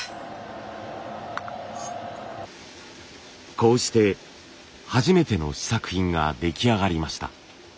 こうして初めての試作品が出来上がりました。